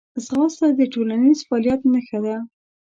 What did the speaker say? ځغاسته د ټولنیز فعالیت نښه ده